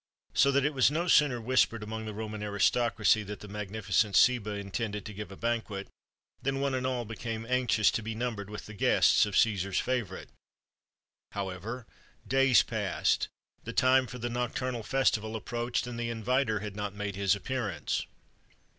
] So that it was no sooner whispered among the Roman aristocracy that the magnificent Seba intended to give a banquet, than one and all became anxious to be numbered with the guests of Cæsar's favourite. However, days past, the time for the nocturnal festival approached, and the Invitor had not made his appearance.